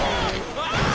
うわ！